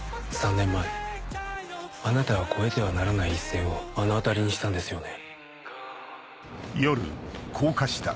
３年前あなたは越えてはならない一線を目の当たりにしたんですよね？